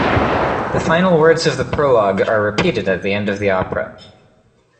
The final words of the prologue are repeated at the end of the opera.